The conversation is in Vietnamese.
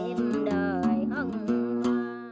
nhịp đời hâm hoà